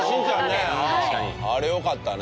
あれよかったね。